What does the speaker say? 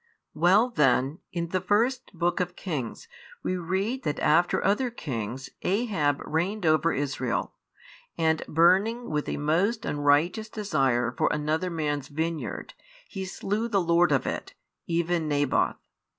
Well then, in the First Book of Kings we read that after other kings Ahab reigned over Israel, and burning with a most unrighteous desire for another man's vineyard, he slew the lord of it, even Naboth.